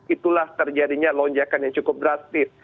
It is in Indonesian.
itulah terjadinya lonjakan yang cukup drastis